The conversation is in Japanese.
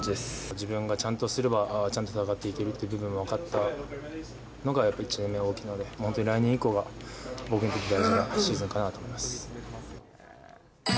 自分がちゃんとすればちゃんと戦っていけるという部分が分かったのが、やっぱり１年目は大きいので、本当に来年以降は、僕にとって大事なシーズンかなと思います。